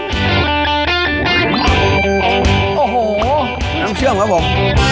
อันนี้น้ำเครื่องครับผม